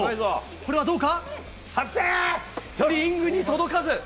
これはどうか？